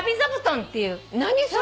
何それ？